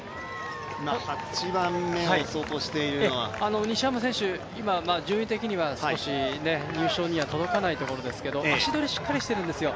８番目を走行しているのは西山選手、順位的には少し入賞には届かないところですけど足取りがしっかりしているんですよ、